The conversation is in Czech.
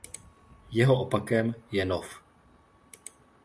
Jeho opakem je nov.